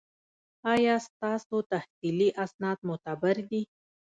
ایا ستاسو تحصیلي اسناد معتبر دي؟